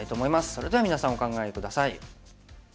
それでは皆さんお考え下さい。